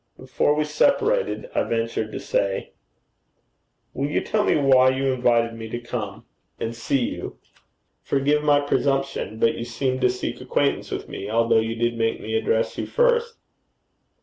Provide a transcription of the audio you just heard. Before we separated, I ventured to say, 'Will you tell me why you invited me to come and see you? Forgive my presumption, but you seemed to seek acquaintance with me, although you did make me address you first.'